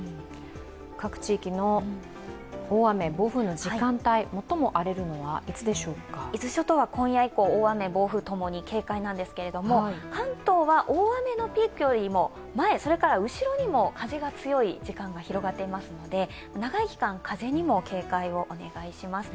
各地域の大雨・暴風の時間帯、伊豆諸島は今夜が大荒れですが関東は、大雨のピークよりも前、それから後ろにも風が強い時間が広がっていますので、長い期間、風にも警戒をお願いします。